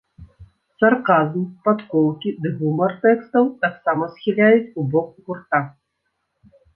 Сарказм, падколкі ды гумар тэкстаў таксама схіляюць ў бок гурта.